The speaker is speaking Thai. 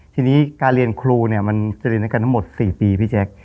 ทีนี้การเรียนครูเนี่ยมันจะเรียนด้วยกันทั้งหมด๔ปีพี่แจ๊ค